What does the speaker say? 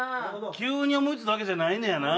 急に思い付いたわけじゃないねやな。